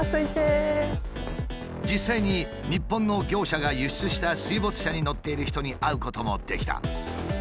実際に日本の業者が輸出した水没車に乗っている人に会うこともできた。